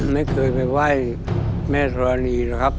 ไม่เคยไปไหว้แม่ธรณีหรอกครับ